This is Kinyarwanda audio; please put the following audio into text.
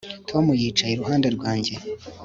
Tom yicaye iruhande rwanjye